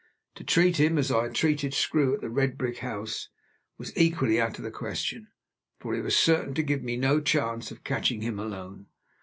To treat him, as I had treated Screw at the red brick house, was equally out of the question, for he was certain to give me no chance of catching him alone.